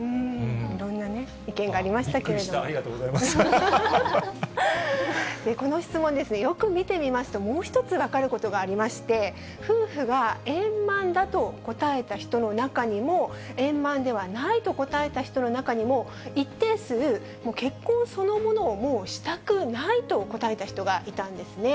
いろんなね、びっくりした、ありがとうごこの質問ですね、よく見てみますと、もう一つ、分かることがありまして、夫婦が円満だと答えた人の中にも、円満ではないと答えた人の中にも、一定数、結婚そのものをもうしたくないと答えた人がいたんですね。